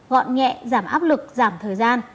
gọn nhẹ giảm áp lực giảm thời gian